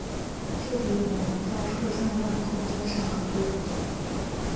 这里我们在复向量空间上考虑问题。